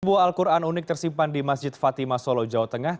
sebuah al quran unik tersimpan di masjid fatima solo jawa tengah